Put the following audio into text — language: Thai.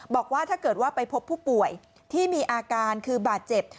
บอกว่าถ้าเกิดว่าไปพบผู้ป่วยที่มีอาการคือบาดเจ็บ